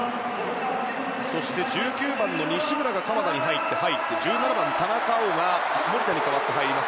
そして１９番、西村が鎌田に代わって入り１７番、田中碧が守田に代わって入ります。